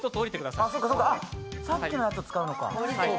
さっきのやつを使うのか。